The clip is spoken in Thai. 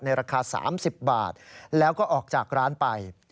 ราคา๓๐บาทแล้วก็ออกจากร้านไป